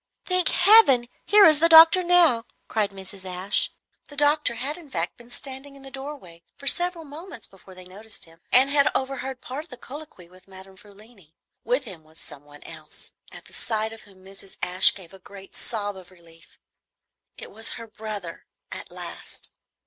"Thank Heaven! here is the doctor now," cried Mrs. Ashe. The doctor had in fact been standing in the doorway for several moments before they noticed him, and had overheard part of the colloquy with Madame Frulini. With him was some one else, at the sight of whom Mrs. Ashe gave a great sob of relief. It was her brother, at last.